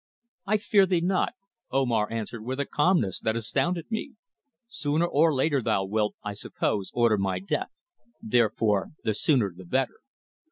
"I fear thee not," Omar answered with a calmness that astounded me. "Sooner or later thou wilt, I suppose, order my death, therefore the sooner the better."